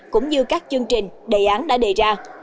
cũng như các chương trình đề án đã đề ra